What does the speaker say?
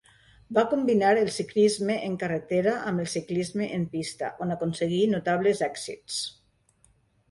Va combinar el ciclisme en carretera amb el ciclisme en pista, on aconseguí notables èxits.